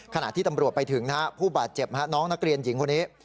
ขณะที่ตำรวจไปถึงผู้บาดเจ็บน้องนักเรียนหญิงคนนี้